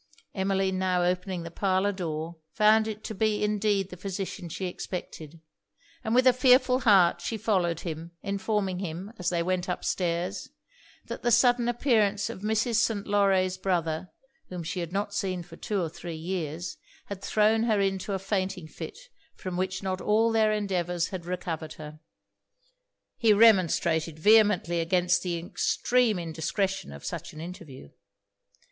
Emmeline now opening the parlour door, found it to be indeed the physician she expected; and with a fearful heart she followed him, informing him, as they went up stairs, that the sudden appearance of Mrs. St. Laure's brother, whom she had not seen for two or three years, had thrown her into a fainting fit, from which not all their endeavours had recovered her. He remonstrated vehemently against the extreme indiscretion of such an interview.